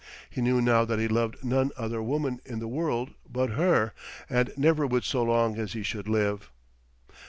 He knew now that he loved none other woman in the world but her, and never would so long as he should live.